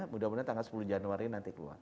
mudah mudahan tanggal sepuluh januari nanti keluar